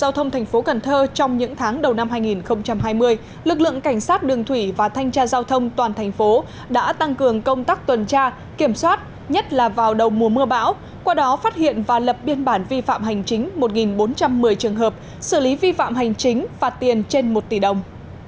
giao thông thành phố cần thơ trong những tháng đầu năm hai nghìn hai mươi lực lượng cảnh sát đường thủy và thanh tra giao thông toàn thành phố đã tăng cường công tác tuần tra kiểm soát nhất là vào đầu mùa mưa bão qua đó phát hiện và lập biên bản vi phạm hành chính một bốn trăm một mươi trường hợp xử lý vi phạm hành chính phạt tiền trên một tỷ đồng